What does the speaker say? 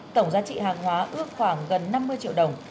tổng giá trị hàng hóa ước khoảng gần năm mươi triệu đồng